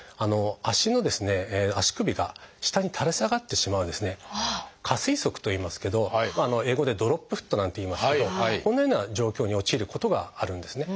足の足首が下に垂れ下がってしまう「下垂足」といいますけど英語では「ドロップフット」なんていいますけどこんなような状況に陥ることがあるんですね。